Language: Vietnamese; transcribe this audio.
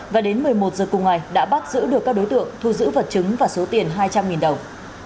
và đến một mươi một giờ cùng ngày đã bắt giữ được các đối tượng thu giữ vật chứng và số tiền hai trăm linh đồng